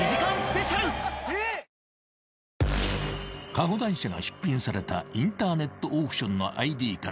［カゴ台車が出品されたインターネットオークションのＩＤから］